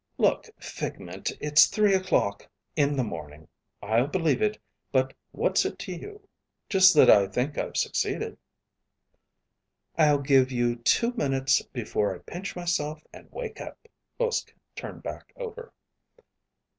"Look, figment, it's three o'clock in the morning. I'll believe it, but what's it to you." "Just that I think I've succeeded." "I'll give you two minutes before I pinch myself and wake up." Uske turned back over.